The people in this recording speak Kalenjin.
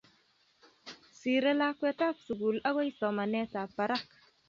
siree lakwetab sugul agoi somanetab barak